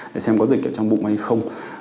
để xem có dịch ở trong bụng hay không